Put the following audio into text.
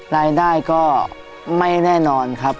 รายได้ก็ไม่แน่นอนครับ